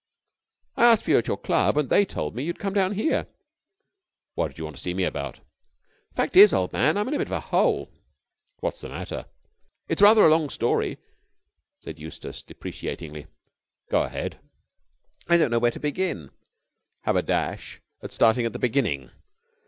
"I asked for you at your club, and they told me you had come down here." "What did you want to see me about?" "The fact is, old man, I'm in a bit of a hole." "What's the matter?" "It's rather a long story," said Eustace deprecatingly. "Go ahead." "I don't know where to begin." "Have a dash at starting at the beginning."